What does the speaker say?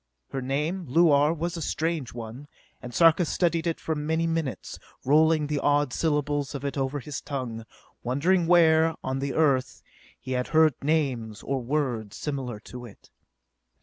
Her name, Luar, was a strange one, and Sarka studied it for many minutes, rolling the odd syllables of it over his tongue, wondering where, on the Earth, he had heard names, or words, similar to it.